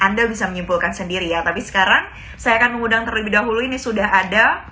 anda bisa menyimpulkan sendiri ya tapi sekarang saya akan mengundang terlebih dahulu ini sudah ada